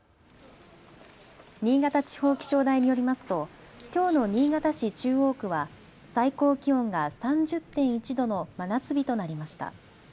新潟地方気象台によりますときょうの新潟市中央区は最高気温が３０．１度の真夏日となりました。